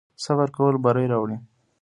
صبر کول بری راوړي